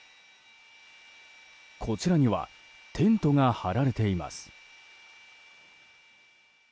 こちらにはテントが張られています。